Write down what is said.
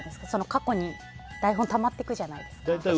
過去の台本たまっていくじゃないですか。